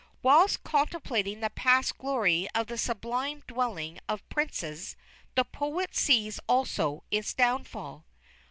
Whilst contemplating the past glory of the sublime dwelling of princes, the poet sees also its downfall.